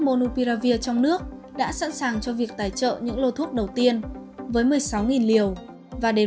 monupiravir trong nước đã sẵn sàng cho việc tài trợ những lô thuốc đầu tiên với một mươi sáu liều và đến